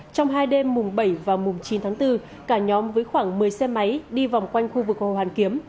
trong hai đêm mùng bảy và mùng chín tháng bốn cả nhóm với khoảng một mươi xe máy đi vòng quanh khu vực hồ hoàn kiếm